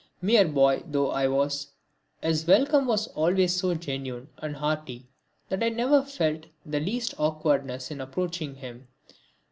Mere boy though I was, his welcome was always so genuine and hearty that I never felt the least awkwardness in approaching him.